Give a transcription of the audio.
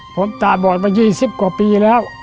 ผมตาบอดมา๒๐กว่าปีแล้ว